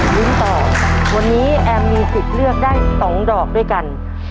ลุ้นต่อวันนี้แอมมีสิทธิ์เลือกได้๒ดอกด้วยกัน